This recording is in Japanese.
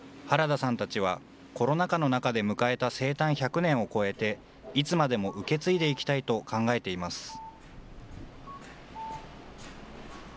原田さんたちは、コロナ禍の中で迎えた生誕１００年を超えて、いつまでも受け継いでいきたいと考えています。